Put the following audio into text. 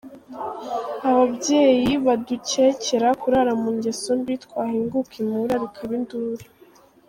ababyeyi badukekera kurara mu ngeso mbi, twahinguka imuhira bikaba induru.